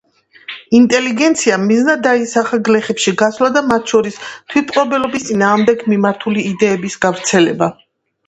ინტელიგენციამ მიზნად დაისახა გლეხებში გასვლა და მათ შორის თვითმპყრობელობის წინააღმდეგ მიმართული იდეების გავრცელება.